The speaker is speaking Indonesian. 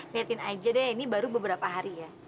niatin aja deh ini baru beberapa hari ya